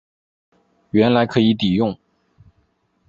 原来可以抵用